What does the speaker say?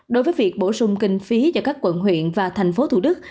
đối với việc bổ sung kinh phí cho các quận huyện và thành phố thủ đức